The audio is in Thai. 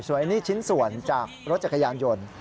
ส่วนอันนี้ชิ้นส่วนจากรถจักรยานยนต์